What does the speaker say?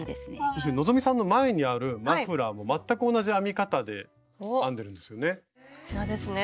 そして希さんの前にあるマフラーも全く同じ編み方で編んでるんですよね。